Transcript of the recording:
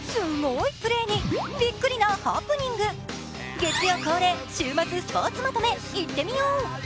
月曜恒例、週末スポ−ツまとめいってみよう。